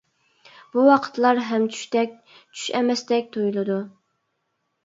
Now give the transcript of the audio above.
بۇ ۋاقىتلار ھەم چۈشتەك چۈش ئەمەستەك تۇيۇلىدۇ.